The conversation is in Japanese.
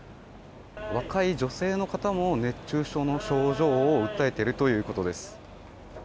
若い女性の方も熱中症の症状を訴えているということです。